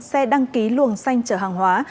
xe đăng ký luồng xanh chở hàng hóa